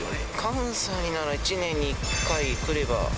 関西なら１年に１回来れば。